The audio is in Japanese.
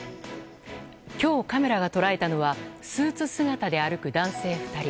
今日、カメラが捉えたのはスーツ姿で歩く男性２人。